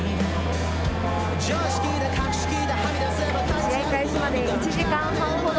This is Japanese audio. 試合開始まで１時間半ほど。